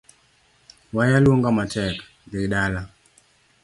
Waya luonga matek.dhi dala.